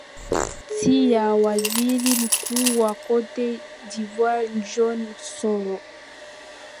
ti ya waziri mkuu wa cote dvoire gion soroh